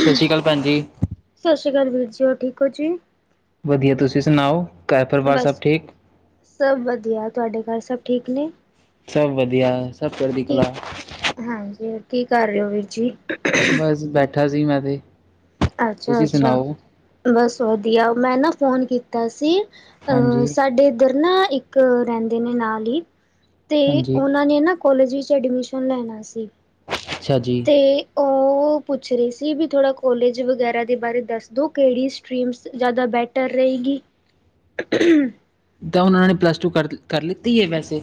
ਸਤਿ ਸ਼੍ਰੀ ਅਕਾਲ ਭੈਣ ਜੀ। ਸਤਿ ਸ੍ਰੀ ਆਕਾਲ ਵੀਰ ਜੀ ਹੋਰ ਠੀਕ ਓ ਜੀ। ਵਧੀਆ ਤੁਸੀਂ ਸੁਣਾਓ। ਘਰ ਪਰਿਵਾਰ ਸਭ ਬਸ ਠੀਕ ਸਭ ਵਧੀਆ ਤੁਹਾਡੇ ਘਰ ਸਭ ਠੀਕ ਨੇ। ਸਭ ਵਧੀਆ ਸਭ ਚੜ੍ਹਦੀ ਕਲਾ। ਠੀਕ ਹਾਂਜੀ ਕੀ ਕਰ ਰਹੇ ਹੋ ਵੀਰ ਜੀ। ਬਸ ਬੈਠ ਬੈਠਾ ਸੀ ਮੈਂ ਤੇ। ਅੱਛਾ! ਤੁਸੀਂ ਅੱਛਾ ਸੁਣਾਓ ਬਸ ਬਸ ਵਧੀਆ ਮੈਂ ਨਾ ਫ਼ੋਨ ਕੀਤਾ ਸੀ। ਅਹ ਹਾਂਜੀ ਸਾਡੇ ਇੱਧਰ। ਨਾ ਇੱਕ ਰਹਿੰਦੇ ਨੇ ਨਾਲ ਹੀ। ਤੇ ਹਾਂਜੀ ਉਹਨਾਂ ਨੇ ਨਾ ਕੋਲਜ ਵਿੱਚ ਵਿੱਚ ਐਡਮਿਸ਼ਨ ਲੈਣਾ ਸੀ। ਅੱਛਾ ਜੀ। ਤੇ ਉਹ ਪੁੱਛ ਰਹੀ ਸੀ ਵੀ ਥੋੜਾ ਕੋਲਜ ਵਗੈਰਾ ਦੇ ਬਾਰੇ ਦੱਸ ਦੋ ਕਿਹੜੀ ਸਟ੍ਰਰੀਮਸ ਜ਼ਿਆਦਾ ਬੈਟਰ ਰਹੇਗੀ। ਤਾਂ ਹੁਣ ਉਹਨਾਂ ਨੇ ਪਲੱਸ ਟੂ ਕਰ ਕਰ ਲਿੱਤੀ ਹੈ ਵੈਸੇ।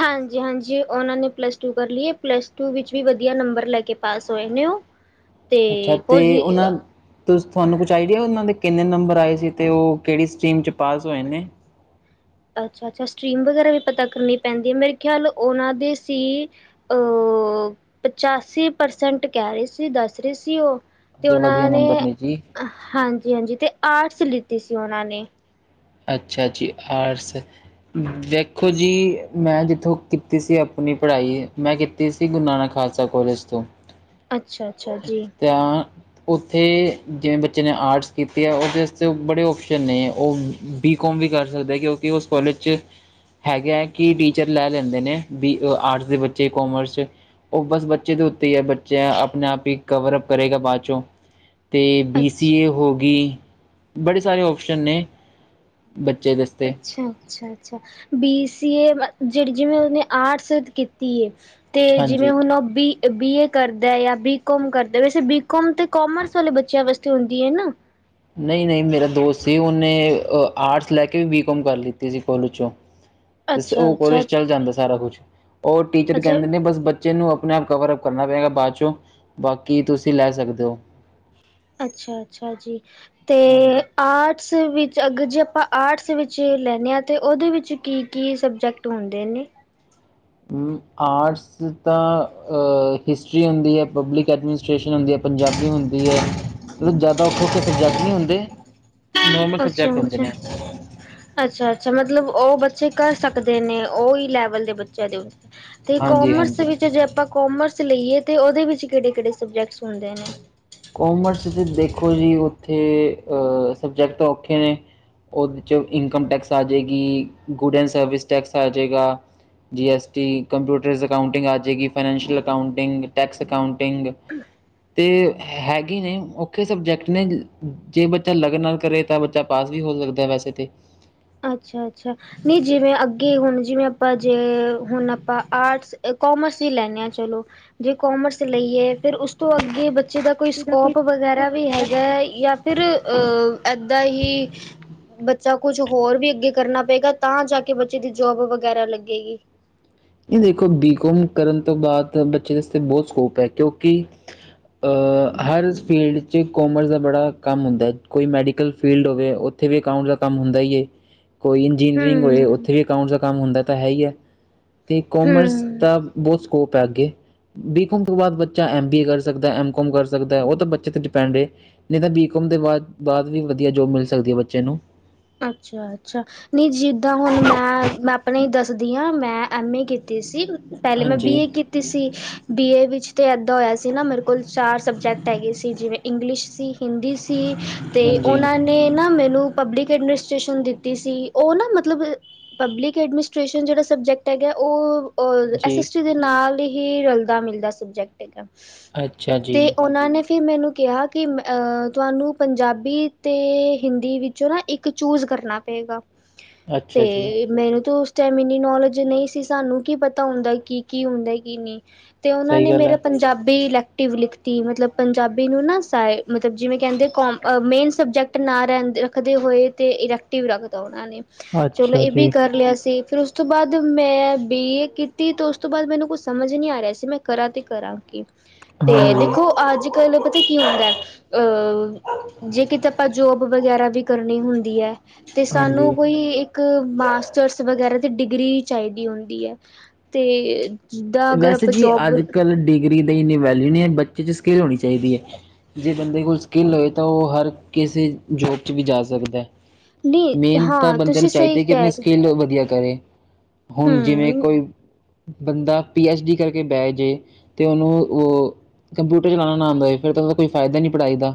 ਹਾਂਜੀ ਹਾਂਜੀ ਉਹਨਾਂ ਨੇ ਪਲੱਸ ਟੂ ਕਰ ਲਈਏ ਪਲੱਸ ਟੂ ਵਿੱਚ ਵੀ ਵਧੀਆ ਨੰਬਰ ਲੈ ਕੇ ਪਾਸ ਹੋਏ ਨੇ ਉਹ ਤੇ ਅੱਛਾ ਤੇ ਪੋਜ਼ੀ ਉਹਨਾਂ ਤੁਹਾਨੂੰ ਕੁਛ ਆਈਡੀਆ ਉਹਨਾਂ ਦੇ ਕਿੰਨੇ ਨੰਬਰ ਆਏ ਸੀ ਤੇ ਉਹ ਕਿਹੜੀ ਸਟਮ ਚ ਪਾਸ ਹੋਏ ਨੇ ਅੱਛਾ ਅੱਛਾ ਸਟਰੀਮ ਵਗੈਰਾ ਵੀ ਪਤਾ ਕਰਨੀ ਪੈਂਦੀ ਹੈ ਮੇਰੇ ਖਿਆਲ ਉਹਨਾਂ ਦੀ ਸੀ ਪਚਾਸੀ ਪਰਸੈਂਟ ਕਹਿ ਰਹੇ ਸੀ ਦੱਸ ਰਹੇ ਸੀ ਉਹ ਤੇ ਵਧੀਆ ਉਹਨਾਂ ਨੇ ਨੰਬਰ ਜੀ ਹਾਂਜੀ ਹਾਂਜੀ ਤੇ ਆਰਟਸ ਲਿੱਤੀ ਸੀ ਉਹਨਾਂ ਨੇ ਅੱਛਾ ਜੀ ਆਰਟਸ ਦੇੇਖੋ ਜੀ ਮੈਂ ਜਿੱਥੋਂ ਕੀਤੀ ਸੀ। ਆਪਣੀ ਪੜ੍ਹਾਈ ਮੈਂ ਕੀਤੀ ਸੀ ਗੁਰੂ ਨਾਨਕ ਖਾਲਸਾ ਕੋਲਜ ਤੋਂ ਅੱਛਾ-ਅੱਛਾ ਜੀ ਤ ਉੱਥੇ ਜਿਵੇਂ ਬੱਚੇ ਨੇ ਆਰਟਸ ਕੀਤੇ ਹੈ। ਉਹਦੇ ਵਾਸਤੇ ਬੜੇ ਓਪਸ਼ਨ ਨੇ ਉਹ ਬੀ ਕੋੌਮ ਵੀ ਕਰ ਸਕਦੇ ਕਿਉਂਕਿ ਉਸ ਕੋਾਲਜ 'ਚ ਹੈਗੇ ਹੈ ਕਿ ਟੀਚਰ ਲੈ ਲੈਂਦੇ ਨੇ ਬੀ ਆਰਟਸ ਦੇ ਬੱਚੇ ਕੋਮਰਸ ਉਹ ਬਸ ਬੱਚੇ ਦੇ ਉੱਤੇ ਹੀ ਹੈ ਬੱਚਾ ਆਪਣੇ ਆਪ ਹੀ ਕਵਰ ਅਪ ਕਰੇਗਾ ਬਾਅਦ ਚੋਂ ਅਤੇ ਬੀ ਸੀ ਅੱਛ ਏ ਹੋ ਗਈ। ਬੜੇ ਸਾਰੇ ਆਪਸ਼ਨ ਨੇ। ਬੱਚੇ ਦੇ ਵਾਸਤੇ ਅੱਛਾ! ਅੱਛਾ! ਅੱਛਾ ਬੀ ਸੀਏ। ਜਿਹੜੀ ਜਿਵੇਂ ਉਹਨੇ ਆਰਟਸ ਕੀਤੀ ਹੈ। ਤੇ ਜਿਵੇਂ ਹਾਂਜੀ ਹੁਣ ਬੀ। ਬੀਏ ਕਰਦਾ ਜਾਂ ਬੀਕਮ ਕਰਦਾ ਵੈਸੇ ਬੀਕਮ ਤੇ ਕੋਮਰਸ ਵਾਲੇ ਬੱਚਿਆਂ ਵਾਸਤੇ ਹੁੰਦੀ ਹੈ ਨਾ ਨਹੀਂ, ਨਹੀਂ ਮੇਰਾ ਦੋਸਤ ਸੀ ਉਹਨੇ ਆਰਟਸ ਲੈ ਕੇ ਵੀ ਬੀ ਕੋਮ ਕਰ ਲਿੱਤੀ ਸੀ ਕੋਲਜ ਚੋਂ ਤੇ ਅੱਛਾ ਉਹ ਅੱਛਾ ਕੋਲਜ ਚੱਲ ਜਾਂਦਾ ਸਾਰਾ ਕੁਛ ਉਹ ਟੀਚਰ ਅੱਛਾ ਕਹਿੰਦੇ ਨੇ ਬਸ ਬੱਚੇ ਨੂੰ ਆਪਣੇ ਆਪ ਕਵਰ ਅਪ ਕਰਨਾ ਪਏਗਾ ਬਾਅਦ ਚੋਂ ਬਾਕੀ ਤੁਸੀਂ ਲੈ ਸਕਦੇ ਹੋ। ਅੱਛਾ! ਅੱਛਾ ਜੀ! ਅਤੇ ਹਾਂਜੀ ਆਰਟਸ। ਵਿੱਚ ਅਗਰ ਜੇ ਆਪਾਂ ਆਰਟਸ ਵਿੱਚ ਲੈਂਦੇ ਹਾਂ ਤੇ ਉਹਦੇ ਵਿੱਚ ਕੀ ਕੀ ਸਬਜੈਕਟ ਹੁੰਦੇ ਨੇ। ਆਟਸ ਤਾਂ ਹਿਸਟਰੀ ਹੁੰਦੀ ਪਬਲਿਕ ਐਡਮ ਹਿੰਦੀ ਹੁੰਦੀ ਹੈ, ਪੰਜਾਬੀ ਹੁੰਦੀ ਹੈ। ਮਤਲਬ ਜਿਆਦਾ। ਨੋਰਮਲ ਅੱਛਾ ਸਬਜੈਕਟ ਹੁੰਦੇ ਅੱਛਾ ਨੇ ਅੱਛਾ ਅੱਛਾ ਮਤਲਬ ਉਹ ਬੱਚੇ। ਬੱਚੇ ਕਰ ਸਕਦੇ ਨੇ ਉਹੀ ਲੈਵਲ ਦੇ ਬੱਚਿਆਂ ਦੇ। ਤੇ ਹਾਂਜੀ ਕੋਮਰਸ ਹਾਂਜੀ ਵਿੱਚ ਜੇ ਆਪਾਂ ਕੋਮਰਸ। ਚ ਲਈਏ ਤੇ ਉਹਦੇ ਵਿੱਚ ਕਿਹੜੇ ਕਿਹੜੇ ਸਬਜੈਕਟਸ ਹੁੰਦੇ ਨੇ? ਕੋਮਰਸ 'ਚ ਦੇਖੋ ਜੀ ਉਹ। ਉੱਥੇ ਸਬਜੈਕਟ ਔਖੇ ਨੇ ਉਹਦੇ 'ਚ ਇਨਕਮ ਟੈਕਸ ਆ ਜਾਵੇਗੀ, ਗੁਡ ਐਂਡ ਸਰਵਿਸ ਟੈਕਸ ਆ ਜਾਵੇਗਾ, G S T computers accounting ਆ ਜਾਵੇਗੀ, ਫਾਈਨੈਂਸ਼ੀਅਲ ਅਕਾਊਂਟਿੰਗ ਟੈਕਸ ਅਕਾਊਂਟਿੰਗ ਤੇ। ਹੈਗੀ ਨਹੀਂ ਔਖੇ ਸਬਜੈਕਟ ਨੇ ਜੇ ਬੱਚਾ ਲਗਨ ਨਾਲ ਕਰੇ ਤਾਂ ਬੱਚਾ ਪਾਸ ਵੀ ਹੋ ਸਕਦਾ ਵੈਸੇ ਤੇ। ਅੱਛਾ ਅੱਛਾ ਨਹੀਂ ਜਿਵੇਂ ਅੱਗੇ ਹੁਣ ਜਿਵੇਂ ਆਪਾਂ ਜੇ ਹੁਣ ਆਪਾਂ ਆਰਟਸ ਕੋਮਰਸ ਹੀ ਲੈਂਦੇ ਹਾਂ ਚਲੋ ਜੇ ਕੋਮਰਸ ਲਈਏ ਫਿਰ ਉਸ ਤੋਂ ਅੱਗੇ। ਬੱਚੇ ਦਾ ਕੋਈ ਸਕੋਪ ਵਗੈਰਾ ਵੀ ਹੈਗਾ ਹੈ ਜਾਂ ਫਿਰ ਅ ਏਦਾਂ ਹੀ। ਬੱਚਾ ਕੁਛ। ਹੋਰ ਵੀ ਅੱਗੇ ਕਰਨਾ ਪਏਗਾ ਤਾਂ ਜਾ ਕੇ ਬੱਚੇ ਦੀ ਜੋਬ ਵਗੈਰਾ ਲੱਗੇਗੀ। ਇਹ ਦੇਖੋ ਬੀਕੌਮ ਕਰਨ ਤੋਂ ਬਾਅਦ ਬੱਚੇ ਵਾਸਤੇ ਬਹੁਤ ਸਕੋਪ ਹੈ ਕਿਉਂਕਿ ਅਹ ਹਰ ਫੀਲਡ ' ਚ ਕੋਮਰਸ ਦਾ ਬੜਾ ਕੰਮ ਹੁੰਦਾ ਹੈ ਕੋਈ ਮੈਡੀਕਲ ਫੀਲਡ ਹੋਵੇ ਉੱਥੇ ਵੀ ਅਕਾਊਂਟ ਦਾ ਕੰਮ ਹੁੰਦਾ ਹੀ ਹੈ। ਕੋਈ ਇੰਜੀਨੀਅਰਿੰਗ ਹੂੰ, ਹੋਏ ਉੱਥੇ ਵੀ ਅਕਾਂਊਟ ਦਾ ਕੰਮ ਹੁੰਦਾ ਹੈ। ਤਾਂ ਹੈ ਹੀ ਹੈ। ਤੇ ਕੋਮਰਸ ਹੂੰ। ਦਾ ਬਹੁਤ। ਸਕੋਪ ਹੈ ਅੱਗੇ ਬੀਕੌਮ ਤੋਂ ਬਾਅਦ ਬੱਚਾ ਐਮ ਬੀ ਏ ਕਰ ਸਕਦਾ ਐਮ ਕੋਮ ਕਰ ਸਕਦਾ ਉਹ ਤਾਂ ਬੱਚੇ ਤੇ ਡਿਪੈਂਡ ਰਹੇ ਨਹੀਂ ਤਾਂ ਬੀਕਮ ਦੇ ਬਾਅਦ ਬਾਅਦ ਵੀ ਵਧੀਆ ਜੋਬ ਮਿਲ ਸਕਦੀ ਹੈ ਬੱਚੇ ਨੂੰ। ਅੱਛਾ ਅੱਛਾ ਨਹੀਂ ਜਿੱਦਾਂ ਹੁਣ ਮੈਂ ਮੈਂ। ਆਪਣੇ ਦੱਸਦੀ ਹਾਂ ਮੈਂ ਐੱਮ ਏ ਕੀਤੀ ਸੀ? ਪਹਿਲੇ ਮੈਂ ਹਾਂਜੀ ਬੀਏ ਕੀਤੀ ਸੀ ਬੀਏ ਵਿੱਚ? ਤੇ ਇੱਦਾਂ ਹੋਇਆ ਸੀ ਨਾ ਮੇਰੇ ਕੋਲ ਚਾਰ ਸਬਜੈਕਟ ਹੈਗੇ ਸੀ ਜਿਵੇਂ ਇੰਗਲਿਸ਼ ਸੀ, ਹਿੰਦੀ ਸੀ। ਸੀ ਤੇ ਹਾਂਜੀ ਉਹਨਾਂ ਨੇ ਮੈਨੂੰ। ਪਬਲਿਕ। ਐਡਮਿਨਿਸਟ੍ਰੇਸ਼ਨ ਦਿੱਤੀ ਸੀ ਉਹ ਨਾ ਮਤਲਬ ਪਬਲਿਕ ਐਡਮਿਨਿਸਟ੍ਰੇਸ਼ਨ ਜਿਹੜਾ ਸਬਜੈਕਟ ਹੈਗਾ ਉਹ। ਉਹ ਐਸ ਜੀ ਐਸ ਟੀ ਦੇ ਨਾਲ ਹੀ। ਹੀ ਰਲਦਾ ਮਿਲਦਾ ਸਬਜੈਕਟ ਹੈਗਾ ਹੈ। ਅੱਛਾ ਜੀ। ਫਿਰ ਮੈਨੂੰ ਕਿਹਾ ਕਿ ਮੈਂ ਤੁਹਾਨੂੰ ਪੰਜਾਬੀ ਅਤੇ ਹਿੰਦੀ ਵਿੱਚੋਂ ਨਾ ਇੱਕ। ਚੂਜ ਕਰਨਾ ਪਏਗਾ? ਅੱਛਾ ਜੀ ਤੇ ਮੈਨੂੰ ਤਾਂ ਉਸ। ਟਾਈਮ ਇੰਨੀ ਨੌਲੇਜ ਨਹੀਂ ਸੀ ਸਾਨੂੰ ਕੀ ਪਤਾ ਹੁੰਦਾ ਕੀ ਕੀ ਹੁੰਦਾ ਕੀ ਨਹੀਂ? ਤੇ ਉਹਨਾਂ ਸਹੀ ਨੇ ਗੱਲ ਮੇਰਾ ਹੈ ਪੰਜਾਬੀ। ਅਲੈਕਟਵ ਲਿਖਤੀ ਮਤਲਬ ਪੰਜਾਬੀ ਨੂੰ ਨਾ ਸ ਮਤਲਬ ਜਿਵੇਂ ਕਹਿੰਦੇ ਕੋਮ ਮੇਨ ਸਬਜੈਕਟ ਨਾ ਰਹਿੰਦੇ ਰੱਖਦੇ ਹੋਏ। ਤੇ ਇਰੈਕਟਿਵ ਰੱਖ ਦੋ। ਉਹ ਨੇ ਚਲੋ ਅੱਛਾ ਇਹ ਵੀ ਜੀ ਕਰ ਲਿਆ ਸੀ? ਫਿਰ ਉਸ ਤੋਂ ਬਾਅਦ ਮੈਂ ਬੀਏ ਕੀਤੀ ਅਤੇ ਉਸ ਤੋਂ ਬਾਅਦ ਮੈਨੂੰ ਕੁਛ ਸਮਝ ਨਹੀਂ ਆ ਰਿਹਾ ਸੀ ਮੈਂ ਕਰਾਂ ਤਾਂ ਕਰਾਂ ਕੀ ਤੇ ਹਾਂਜੀ ਦੇਖੋ ਅੱਜ ਕੱਲ ਪਤਾ ਕੀ ਹੁੰਦਾ ਅਹ ਜੇ ਕਿਤੇ ਆਪਾਂ ਜੋਬ ਵਗੈਰਾ ਵੀ ਕਰਨੀ ਹੁੰਦੀ ਦੀ ਹੈ। ਤੇ ਸਾਨੂੰ ਹਾਂਜੀ ਕੋਈ ਇੱਕ ਮਾਸਟਰਸ ਵਗੈਰਾ ਡਿਗਰੀ ਚਾਹੀਦੀ ਹੁੰਦੀ ਹੈ ਤੇ ਜਿੱਦਾਂ ਅਗਰ ਵੈਸੇ ਆਪਾਂ ਜੀ ਜੋਬ ਅੱਜ ਕੱਲ ਡਿਗਰੀ ਦਾ ਹੀ ਨਹੀਂ ਵੈਸੇ ਬੱਚੇ ਚ ਸਕਿੱਲ ਹੋਣੀ ਚਾਹੀਦੀ ਹੈ ਜੇ ਬੰਦੇ ਕੋਲ ਸਕਿੱਲ ਹੋਏ ਤਾਂ ਉਹ ਹਰ ਕਿਸੇ ਜੋਬ 'ਚ ਵੀ ਜਾ ਸਕਦਾ ਨਹੀਂ ਮੇਨ ਤਾਂ ਹਾਂ ਬੰਦਿਆਂ ਤੁਸੀਂ ਨੂੰ ਸਹੀ ਚਾਹੀਦੀ ਹੈ। ਕਿ ਆਪਣੀ ਕਹਿ ਰਹੇ ਸਕਿੱਲ ਵਧੀਆ ਕਰੇ ਹੁਣ ਜਿਵੇਂ ਹਮ ਕੋਈ ਬੰਦਾ ਪੀ ਐਚ ਡੀ ਕਰਕੇ ਬਹਿ ਜਏ ਤੇ ਉਹਨੂੰ ਉਹ ਕੰਪਿਊਟਰ ਚਲਾਉਣਾ ਆਉਦਾ ਹੋਏ ਫਿਰ ਤਾਂ ਉਹਦਾ ਕੋਈ ਫਾਇਦਾ ਹੀ ਨਹੀਂ ਪੜ੍ਹਾਈ ਦਾ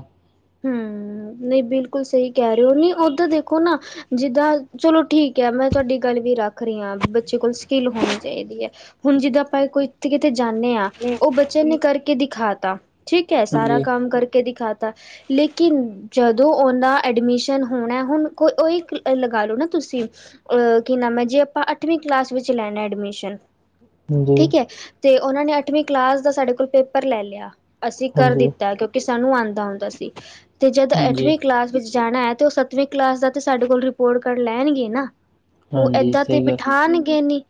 ਹਮ ਨਹੀਂ ਬਿਲਕੁਲ ਸਹੀ ਕਹਿ ਰਹੇ ਹੋ ਨਹੀਂ ਓਦਾਂ ਦੇਖੋ ਨਾ ਜਿੱਦਾਂ ਚਲੋ ਠੀਕ ਹੈ ਮੈਂ ਤੁਹਾਡੀ ਗੱਲ ਵੀ ਰੱਖ ਰਹੀ ਹਾਂ ਬੱਚੇ ਕੋਲ ਸਕਿੱਲ ਹੋਣੀ ਚਾਹੀਦੀ ਹੈ ਹੁਣ ਜਿੱਦਾਂ ਆਪਾਂ ਕੋਈ ਕਿਤੇ ਜਾਂਦੇ ਹਾਂ ਉਹ ਬਚਨ ਨੇ ਕਰਕੇ ਦਿਖਾ ਤਾ ਠੀਕ ਏ ਸਾਰਾ ਹਾਂਜੀ ਕੰਮ ਕਰਕੇ ਦਿਖਾ ਤਾਂ ਲੇਕਿਨ ਜਦੋਂ ਉਹਦਾ ਐਡਮਿਸ਼ਨ ਹੋਣਾ ਹੁਣ ਕੋ ਉ ਓਹੀ ਲਗਾ ਲੋ ਨਾ ਤੁਸੀਂ ਅਹ ਕੀ ਨਾਮ ਹੈ ਜੇ ਆਪਾਂ ਅੱਠਵੀਂ ਕਲਾਸ ਵਿੱਚ ਲੈਣਾ ਐਡਮਿਸ਼ਨ ਹਾਂਜੀ ਠੀਕ ਹੈ। ਤੇ ਉਹਨਾਂ ਨੇ ਅੱਠਵੀਂ ਕਲਾਸ ਦਾ ਸਾਡੇ ਕੋਲ ਪੇਪਰ ਲੈ ਲਿਆ ਅਸੀਂ ਕਰ ਹਾਂਜੀ ਦਿੱਤਾ ਕਿਉਂਕਿ ਸਾਨੂੰ ਆਉਂਦਾ ਹੁੰਂਦਾ ਸੀ ਤੇ ਜਦ ਹਾਂਜੀ ਅੱਠਵੀਂ ਕਲਾਸ ਵਿੱਚ ਜਾਣਾ ਹੈ ਤੇ ਉਹ ਸੱਤਵੇਂ ਕਲਾਸ ਦਾ ਤੇ ਸਾਡੇ ਕੋਲ ਰਿਪੋਰਟ ਕਾਰਡ ਲੈਣਗੇ ਨਾ ਉਹ ਹਾਂਜੀ ਏਦਾਂ ਤੇ ਸਹੀ ਗੱਲ ਬਿਠਾਉਣਗੇ ਨੀ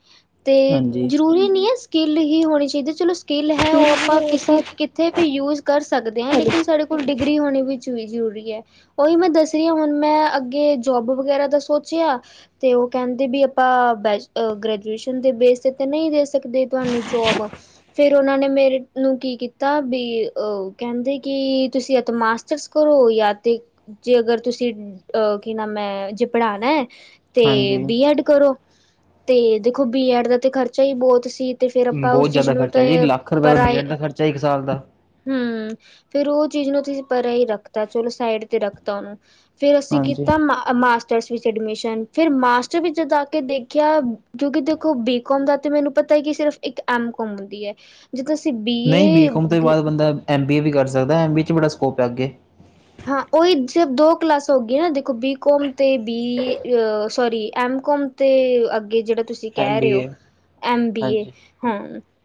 ਅਤੇ ਹਾਂਜੀ ਜ਼ਰੂਰੀ ਨਹੀਂ ਹੈ। ਸਕਿੱਲ ਹੀ ਹੋਣੀ ਚਾਹੀਦੀ ਚਲੋ ਸਕਿੱਲ ਹੈ ਉਹ ਆਪਾਂ ਕਿਸੇ ਕਿੱਥਤੇ ਵੀ ਯੂਜ ਕਰ ਸਕਦੇ ਹਾਂ ਤਾਂ ਲੇਕਿਨ ਸਾਡੇ ਕੋਲ ਡਿੱ ਹੋਣੀ ਵੀ ਜਰੂਰੀ ਹੈ ਉਹੀ ਮੈਂ ਦੱਸ ਰਹੀ ਹਾਂ ਹੁਣ ਮੈਂ ਅੱਗੇ ਜੋਬ ਵਗੈਰਾ ਦਾ ਸੋਚਿਆ ਤੇ ਉਹ ਕਹਿੰਦੇ ਵੀ ਆਪਾਂ ਬ ਗ੍ਰੈਜੂਏਸ਼ਨ ਦੇ ਬੇਸ ਤੇ ਨਹੀਂ ਦੇ ਸਕਦੇ ਤੁਹਾਨੂੰ ਜੋਬ ਫੇਿਰ ਉਹਨਾਂ ਨੇ ਮੇਰੇ ਨੂੰ ਕੀ ਕੀਤਾ ਵੀ ਕਹਿੰਦੇ ਕਿ ਤੁਸੀਂ ਤਾਂ ਮਾਸਟਰਸ ਕਰੋ ਜਾਂ ਤੇ, ਜੇ ਅਗਰ ਤੁਸੀਂ ਅ ਕੀ ਨਾਮ ਹੈ ਜੇ ਪੜ੍ਹਾਉਣਾ ਐ ਤੇ ਹਾਂਜੀ ਬੀ ਐਡ ਕਰੋ ਤੇ ਦੇਖੋ ਬੀ ਐਡ ਦਾ ਤੇ ਖ਼ਰਚਾ ਹੀ ਬਹੁਤ ਸੀ। ਤੇ ਫੇਰ ਆਪਾਂ ਉਸ ਬਹੁਤ ਚੀਜ਼ ਜ਼ਿਆਦਾ ਨੂੰ ਤਾਂ ਖਰਚਾ ਜੀ ਲੱਖ ਰੁਪਏ ਦਾ ਪਰਾਏ ਬਜਟ ਦਾ ਖਰਚਾ ਇੱਕ ਸਾਲ ਦਾ। ਫਿਰ ਉਹ ਚੀਜ਼ ਨੂੰ ਤੁਸੀ ਪਰਾ ਹੀ ਰੱਖਤਾ ਚਲੋ ਸਾਈਡ ਤੇ ਰੱਖਤਾ ਉਹਨੂੰ ਫਿਰ ਅਸੀਂ ਹਾਂਜੀ। ਕੀਤਾ ਮਾਸਟਰ ਵਿਚ ਐਡਮਿਸ਼ਨ ਫਿਰ ਮਾਸਟਰ ਵਿੱਚ ਜਾ ਕੇ ਦੇਖਿਆ ਜੋਕਿ ਦੇਖੋ ਬੀਕੋਮ ਦਾ ਤੇ ਮੈਨੂੰ ਪਤਾ ਹੈ ਕਿ ਸਿਰਫ ਇੱਕ ਐਮ ਕਾੱਮ ਹੁੰਦੀ ਹੈ। ਜਦੋਂ ਅਸੀਂ ਨਹੀਂ ਬੀਏ ਬੀਕੌਮ ਤੋਂ ਬਾਅਦ ਬੰਦਾ ਐਮ ਬੀ ਏ ਵੀ ਕਰ ਸਕਦਾ ਏ, ਐਮ ਬੀ ਏ ਚ ਵੀ ਬੜਾ ਸਕੋਪ ਹੈ ਅੱਗੇ। ਹਾਂ ਉਹੀ ਜੋ ਦੋ ਕਲਾਸ ਹੋ ਗਈ ਨਾ, ਦੇਖੋ ਬੀਕੌਮ ਤੇ ਬੀ ਅ ਸੋਰੀ ਐਮ ਕੌਮ ਤੇ ਅੱਗੇ ਜਿਹੜਾ ਤੁਸੀਂ ਐਮ ਕਹਿ ਬੀ ਰਹੇ ਹੋ ਏ ਐਮ ਬੀ ਏ, ਹਾਂਜੀ, ਹਾਂ।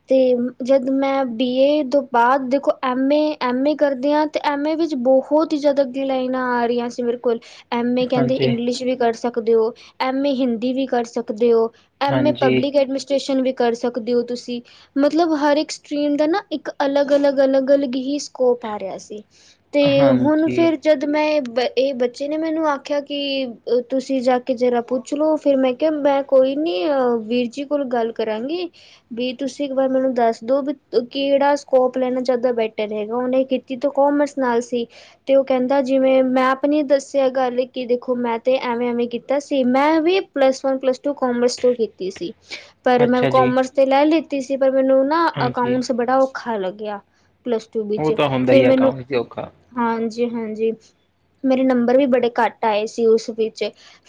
ਤੇ ਜਦ ਮੈਂ ਬੀ ਏ ਤੋਂ ਬਾਅਦ ਦੇਖੋ ਐੱਮ ਏ, ਐੱਮ ਏ ਕਰਦੀ ਹਾਂ ਤੇ ਐੱਮ ਏ ਵਿੱਚ ਬਹੁਤ ਬਹੁਤ ਹੀ ਜਿਆਦਾ ਅਗੇ ਲਾਈਨਾਂ ਆ ਰਹੀਆਂ ਸੀ ਮੇਰੇ ਕੋਲ ਐੱਮ ਏ ਕਹਿੰਦੇ ਹਾਂਜੀ, ਇੰਗਲਿਸ਼ ਵੀ ਕਰ ਸਕ ਸਕਦੇ ਹੋ, ਐਮ ਏ ਹਿੰਦੀ ਵੀ ਕਰ ਸਕਦੇ ਹੋ। ਐਮ ਏ ਹਾਂਜੀ, ਪਬਲਿਕ ਐਡਮਿਨਿਸਟ੍ਰੇਸ਼ਨ ਵੀ ਕਰ ਸਕਦੇ ਹੋ ਤੁਸੀਂ ਮਤਲਬ ਹਰ ਇਕ ਸਟਰੀਮ ਦਾ ਨਾ ਇੱਕ ਅਲੱਗ- ਅਲੱਗ- ਅਲੱਗ- ਅਲੱਗ ਹੀ ਸਕੋਪ ਆ ਰਿਹਾ ਸੀ, ਤੇ ਹਾਂਜੀ। ਫਿਰ ਜਦ ਮੈਂ ਏ ਬ ਇਹ ਬੱਚੇ ਨੇ ਮੈਨੂੰ ਆਖਿਆ ਕਿ ਤੁਸੀਂ ਜਾ ਕੇ ਜਰਾ ਪੁੱਛ ਲੋ ਫਿਰ ਮੈਂ ਕਿਹਾ ਮੈਂ ਕੋਈ ਨੀ ਵੀਰ ਜੀ ਕੋਲ ਗੱਲ ਕਰਾਂਗੀ ਵੀ ਤੁਸੀਂ ਇੱਕ ਵਾਰ ਮੈਨੂੰ ਦੱਸ ਦੋ ਵੀ ਕਿਹੜਾ ਸਕੋਪ ਲੈਣਾ ਜ਼ਿਆਦਾ ਬੈਟਰ ਹੈਗਾ, ਉਹਨੇ ਕੀਤੀ ਤਾਂ ਕੋਮੱਰਸ ਨਾਲ ਸੀ। ਤੇ ਉਹ ਕਹਿੰਦਾ ਜਿਵੇਂ ਮੈਂ ਅਪਣੀ ਦੱਸਿਆ ਗੱਲ ਕਿ ਦੇਖੋ ਮੈਂ ਤੇ ਐਵੇਂ ਐਵੇਂ ਕੀਤਾ ਸੀ ਮੈਂ ਵੀ plus one, plus two commerce ਤੋਂ ਕੀਤੀ ਸੀ। ਪਰ ਮੈਂ ਅੱਛਾ ਜੀ, ਕੋਮਸ ਤੇ ਲੈ ਤੀ ਸੀ ਪਰ ਮੈਨੂੰ ਨਾ ਹਾਂਜੀ ਅਕਾਊਂਟਸ ਬੜਾ ਹੈ ਲੱਗਿਆ ਪਲੱਸ ਟੂ ਉਹ ਵਿੱਚ, ਤਾਂ ਹੁੰਦਾ ਫਿਰ ਹੀ ਮੈਨੂੰ ਅਕਾਊਂਟਸ ਤੇ ਔਖਾ। ਜੀ ਹਾਂਜੀ ਹਾਂਜੀ, ਮੇਰੇ ਨੰਬਰ ਵੀ ਬੜੇ ਘੱਟ ਆਏ ਸੀ ਉਸ ਵਿੱਚ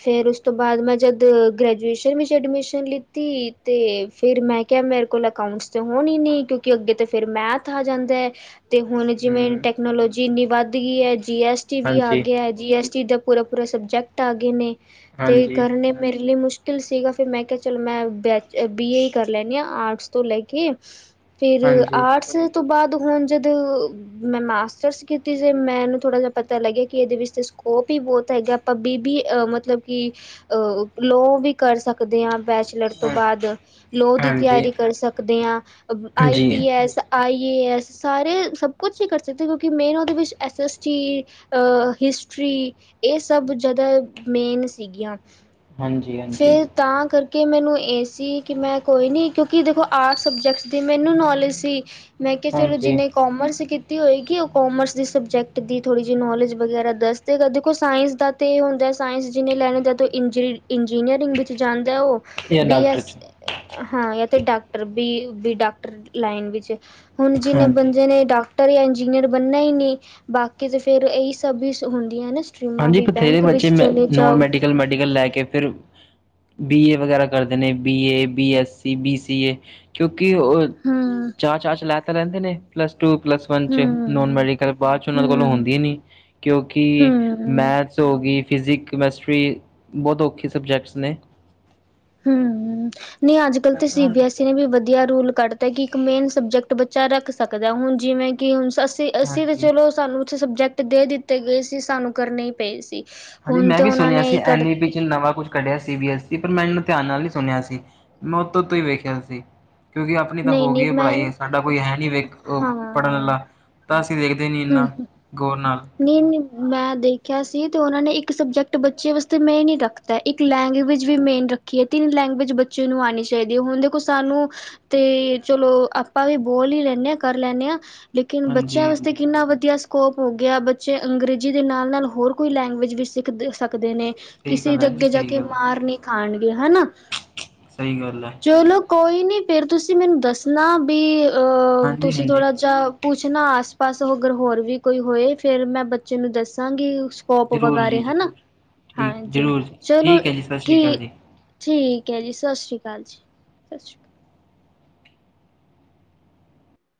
ਫਿਰ ਉਸ ਤੋਂ ਬਾਅਦ ਮੈਂ ਜਦ ਗ੍ਰੈਜੂਏਸ਼ਨ ਵਿੱਚ ਐਡਮਿਸ਼ਨ ਲਿੱਤੀ ਤੇ ਫਿਰ ਮੈਂ ਕਿਹਾ ਮੇਰੇ ਕੋਲ ਅਕਾਊਂਟਸ ਤਾਂ ਹੋਣੀ ਨੀ, ਕਿਉਂਕਿ ਅੱਗੇ ਤੇ ਫਿਰ ਮੈਥ ਆ ਜਾਂਦਾ ਏ। ਤੇ ਹੁਣ ਜਿਵੇਂ ਹੂੰ, ਟੈਕਨੋਲੋਜੀ ਏਨੀ ਵੱਧ ਗਈ ਹੈ ਜੀ ਐੱਸ ਟੀ ਵੀ ਆ ਹਾਂਜੀ, ਗਿਆ, ਜੀ ਐੱਸ ਟੀ ਦ ਪੂਰਾ ਪੂਰਾ ਸਬਜੈਕਟ ਆ ਗਏ ਨੇ। ਤੇ ਹਾਂਜੀ, ਕਰਨੇ ਮੇਰੇ ਲਈ ਮੁਸ਼ਕਿਲ ਕਲ ਸੀਗਾ, ਫਿਰ ਮੈਂ ਕਿਹਾ ਚਲੋ ਮੈਂ ਬੈਚ ਬੀ ਏ ਕਰ ਲੈਣੀ ਹਾਂ ਆਰਟਸ ਤੋਂ ਲੈ ਕੇ ਫਿਰ ਹਾਂਜੀ। ਆਰਟਸ ਤੋਂ ਬਾਅਦ ਹੁਨ ਜਦੋਂ ਮੈਂ ਮਾਸਟਰਸ। ਮੈਨੂੰ ਥੋੜ੍ਹਾ ਜਿਹਾ ਪਤਾ ਲੱਗਿਆ ਕਿ ਇਹਦੇ ਵਿੱਚ ਸਕੋਪ ਹੀ ਬਹੋਤ ਹੈਗਾ ਆਪਾਂ ਬੀਬੀ ਅ ਮਤਲਬ ਕਿ ਅਹ ਲੋ ਵੀ ਕਰ ਸਕਦੇ ਹਾਂ। ਬੈਚਲਰ ਤੋਂ ਹਾਂ, ਬਾਅਦ ਲੋਅ ਦੀ ਹਾਂਜੀ, ਤਿਆਰੀ ਕਰ ਸਕਦੇ ਹਾਂ ਆਈ ਜੀ। P S I. ਯਸੈ ਸਾਰੇ ਸਭ ਕੁਛ ਹੀ ਕਰ ਸਕਦੇ ਕਿਉਂਕਿ ਮੇਨ ਉਹਦੇ ਵਿੱਚ ਐੱਸ ਐੱਸ ਟੀ ਹਿਸਟਰੀ ਇਹ ਸਭ ਜ਼ਿਆਦਾ ਮੇਨ ਸੀ ਗੀਆਂ ਹਾਂਜੀ ਹਾਂਜੀ। ਕਿ ਮੈਨੂੰ ਇਹ ਸੀ ਕਿ ਮੈਂ ਕੋਈ ਨੀ ਕਿਉਕਿ ਦੇਖੋ ਆਰਟਸ ਸਬਜੈਕਟਸ ਦੀ ਮੈਨੂੰ ਨੌਲੇਜ ਸੀ। ਮੈਂ ਕਿਹਾ ਫੇਰ ਹਾਂਜੀ ਜਿਹਨੇ ਕੋਮਰਸ। ਹੋਏਗੀ ਉਹ ਕੋਮਰਸ। ਸਬਜੈਕਟ ਦੀ ਥੋੜ੍ਹੀ ਜੀਹ ਨੌਲੇਜ ਵਗੈਰਾ ਦੱਸਦੇਗਾ ਦੇਖੋ ਸਾਇੰਸ ਦਾ ਤਾਂ ਇਹ ਹੁੰਦਾ ਸਾਇੰਸ ਜਿਹਨੇ ਲੈਨੈ ਦਾ ਤਾਂ ਇੰਜੀ ਇੰਜੀਨੀਅਰਿੰਗ ਵਿੱਚ ਜਾਂਦਾ ਉਹ ਜਾਂ ਬੀ ਡਾਕਟਰ 'ਚ ਐਸ ਹਾਂ ਤੇ ਡਾਕਟਰ ਵੀ ਡਾਕਟਰ ਲਾਈਨ ਵਿਚ ਹੁਨ ਜਿੰਨੇ ਹਾਂਜੀ। ਬੰਦੇ ਨੇ ਡਾਕ ਟਰ ਯਾ ਇੰਜਨੀਆਰ ਬਨਾ ਹੀ ਨਹੀਂ। ਬਾਕੀ ਤੇ ਫੇਰ ਇਹੀ ਸਭ ਵੀ ਹੁੰਦੀਆਂ ਨਾ। ਸਟਰੀਮਾਂ ਹਾਂਜੀ ਵੀ ਬਥੇਰੇ ਬੈਂਕ ਵਿੱਚ ਬੱਚੇ ਮੈ ਚਲੇ ਨੋਨ ਜਾਓ ਮੈਡੀਕਲ ਮੈਡੀਕਲ ਲੈ ਕੇ ਫਿਰ ਬੀ ਏ ਵਗੈਰਾ ਕਰਦੇ ਨੇ B A B S C B C A ਕਿਉਂਕਿ ਉਹ ਹੂੰ ਚਾਅ ਚਾਅ ਚ ਲੈ ਤਾਂ ਲੈਹੈੰਦੇ ਨੇ ਪਲੱਸ ਟੂ ਪਲੱਸ ਵਨ ਚ ਨੋਨ ਹੂੰ, ਮੈਡੀਕਲ ਬਾਅਦ ਚ ਉਹਨਾਂ ਦੇ ਕੋਲੋਂ ਹੂੰ, ਹੁੰਦੀ ਨੀ ਕਿਉਂਕਿ। ਹੂੰ, ਹੋ ਗਈ ਫਿਸਕ ਕਮੈਸ਼ਟਰੀ ਬਹੋਤ ਔਖੇ ਸਬਜੈਕਟਸ ਨੇ। ਹਮ। ਨਹੀਂ ਅੱਜ ਕੱਲ੍ਹ ਤੇ ਹਾਂਜੀ ਸੀਬੀਐੱਸਈ ਨੇ ਵੀ ਵਧੀਆ ਰੂਲ। ਕੱਢਤਾ ਕਿ ਇੱਕ ਮੇਨ ਸਬਜੈਕਟ ਬੱਚਾ ਰੱਖ ਸਕਦੈ ਹੁਨ ਜਿਵੇਂ ਕਿ ਹੁਨ ਅੱਸੀ ਅੱਸੀ ਤੇ ਹਾਂਜੀ ਚਲੋ ਸਾਨੂੰ ਛ ਸਬਜੈਕਟ ਦੇ ਦਿੱਤੇ ਗਏ ਸੀ ਸਾਨੂੰ ਕਰਨੇ ਹੀ ਪਏ ਸੀ। ਹਾਂਜੀ ਹੁਣ ਮੈਂ ਤੇ ਵੀ ਉਹਨਾਂ ਸੁਨਿਆ ਨੇ ਸੀ ਇਹ ਕੱਢ ਐਨ ਈ ਪੀ ਚ ਨਵਾਂ ਕੁਛ। ਕਢਿਆ ਸੀ ਬੀ ਐ ਸੀ ਪਰ ਮੈਂ ਇਹਨੂੰ ਧਿਆਨ ਨਾਲ ਹੀ ਸੁਨਿਆ ਸੀ ਮੈਂ ਉਤੋਂ ਉਤੋਂ ਹੀ ਵੇਖਿਆ ਸੀ। ਕਿਉਂਕਿ ਆਪਨੀ ਤਾਂ ਨਹੀਂ ਹੋ ਨਹੀਂ ਗਈ ਹੈ ਮੈਂ ਪੜ੍ਹਾਈ ਸਾਡਾ ਕੋਈ ਹੈ ਨਹੀਂ। ਵੇਖ ਹਾਂ ਪੜ੍ਹਨ ਵਾਲਾ ਤਾਂ ਅਸੀਂ ਦੇਖ [unintelligible] ਨੀ-ਨੀ ਮੈਂ ਦੇਖਿਆ ਸੀ ਤੇ ਉਹਨਾਂ ਨੇ। ਇੱਕ ਸਬਜੈਕਟ ਬੱਚੇ ਵਾਸਤੇ ਮੇਨ ਨੀ ਰੱਖਦਾ ਇੱਕ ਲੈਂਗੁਏਜ ਵੀ ਮੇਨ ਰੱਖੀ ਏ ਤਿੰਨ ਲੈਂਗੁਏਜ ਬੱਚੇ ਨੂੰ ਆਨੀ ਚਾਹੀਦੀ ਹੈ ਹੁਣ ਦੇਖੋ ਸਾਨੂੰ ਤੇ ਚਲੋ ਆਪਾਂ ਵੀ ਬੋਲ ਹੀ ਲੈਂਦੇ ਹਾਂ ਕਰ ਲੈਦੇ ਹਾਂ। ਲੇਕਿਨ ਬੱਚਿਆਂ ਹਾਂਜੀ ਵਾਸਤੇ ਹਾਂਜੀ ਕਿੰਨਾ ਵਧੀਆ ਸ ਕੋਪ ਹੁੰ ਗਿਆ ਬੱਚੇ ਅੰਗਰੇਜ਼ੀ ਦੇ ਨਾਲ-ਨਾਲ ਹੋਰ ਕੋਈ ਲੈਂਗੁਏਜ ਵੀ ਸਿੱਖ ਸਕ। ਸਕਦੇ ਨੇ ਸਹੀ ਕਿਸੇ ਗੱਲ ਹੈ ਦੇ ਜੀ ਅੱਗੇ ਜਾ ਸਹੀ ਕੇ ਗੱਲ ਹੈ ਮਾਰ ਨੀ। [unintelligible] ਕਿਹਾ ਨਾ ਸਹੀ ਗੱਲ ਹੈ [unintelligible] ਚਲੋ ਕੋਈ ਨੀ ਫਿਰ ਤੁਸੀਂ ਮੈਨੂੰ ਦੱਸਣਾ ਬੀ ਅਹ ਹਾਂਜੀ ਤੁਸੀਂ ਹਾਂਜੀ ਥੋੜਾ ਜਿਹਾ ਪੁ ਪੁੱਛ ਨਾ ਆਸ ਪਾਸ ਅਗਰ ਹੋਰ ਵੀ ਕੋਈ ਹੋਏ ਫਿਰ ਮੈਂ ਬੱਚੇ ਨੂੰ ਦੱਸਾਂਗੀ ਸੋਪ ਜ਼ਰੂਰ ਵਗਾਰੇ ਜੀ ਹਨਾ ਜ਼ਰੂਰ ਠੀਕ ਹਾਂਜੀ ਜ਼ਰੂਰ ਜੀ ਚਲੋ ਠੀਕ ਹੈ ਜੀ ਸਤਿ ਸ਼੍ਰੀ ਠੀ-ਠੀ ਅਕਾਲ ਜੀ ਠੀਕ ਐ ਜੀ ਸਤਿ ਸ਼੍ਰੀ ਅਕਾਲ ਜੀ ਸਤਿ ਸ਼੍ਰੀ ਅਕਾਲ